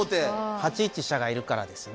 ８一飛車がいるからですね。